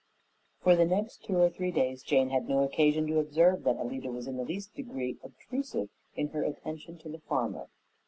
For the next two or three days Jane had no occasion to observe that Alida was in the least degree obtrusive in her attention to the farmer.